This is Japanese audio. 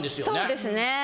そうですね。